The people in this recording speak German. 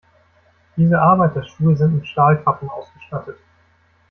Diese Arbeiterschuhe sind mit Stahlkappen ausgestattet.